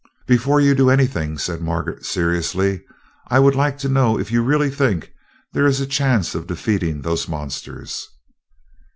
"Before you do anything," said Margaret seriously, "I would like to know if you really think there is a chance of defeating those monsters."